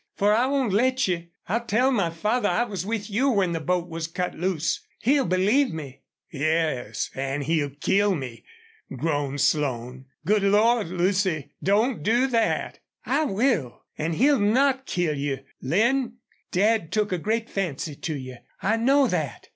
For I won't let you. I'll tell my father I was with you when the boat was cut loose. He'll believe me." "Yes, an' he'll KILL me!" groaned Slone. "Good Lord! Lucy, don't do that!" "I will! An' he'll not kill you. Lin, Dad took a great fancy to you. I know that.